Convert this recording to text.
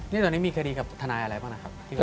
นี่ตอนนี้มีคดีกับทนายอะไรบ้างนะครับ